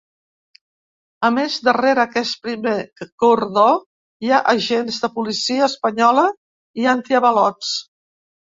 A més, darrere aquest primer cordó hi ha agents de policia espanyola i antiavalots.